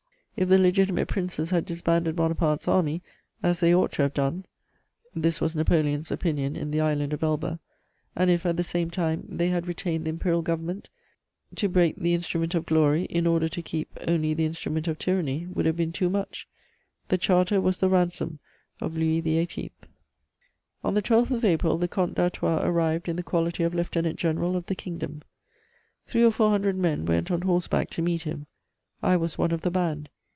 If the legitimate Princes had disbanded Bonaparte's army, as they ought to have done (this was Napoleon's opinion in the island of Elba), and if, at the same time, they had retained the Imperial Government, to break the instrument of glory in order to keep only the instrument of tyranny would have been too much: the Charter was the ransom of Louis XVIII. * On the 12th of April, the Comte d'Artois arrived in the quality of Lieutenant General of the Kingdom. Three or four hundred men went on horseback to meet him: I was one of the band.